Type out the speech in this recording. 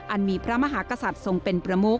มีพระมหากษัตริย์ทรงเป็นประมุข